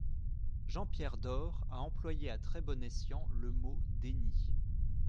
Jean-Pierre Door a employé à très bon escient le mot « déni ».